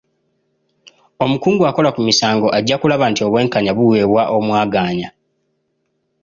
Omukungu akola ku misango ajja kulaba nti obwenkanya buweebwa omwagaanya.